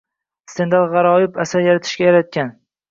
Stendal g’aroyib asar yaratishga yaratgan.